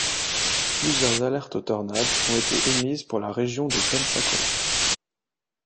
Plusieurs alertes aux tornades ont été émises pour la région de Pensacola.